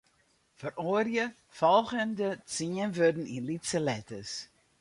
Feroarje folgjende tsien wurden yn lytse letters.